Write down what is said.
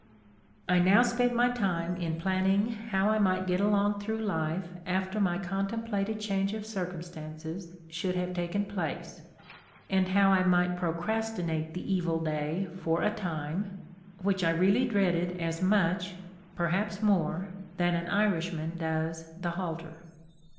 I now spent my time in planning how I might get along through life after my contem plated change of circumstances should have taken place, and how I might procrastinate the evil day for a time, which I really dreaded as much, perhaps more, than an Irishman does the halter.